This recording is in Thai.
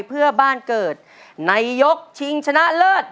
เพื่อบ้านเกิดในยกชิงชนะเลิศ